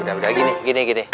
udah udah gini gini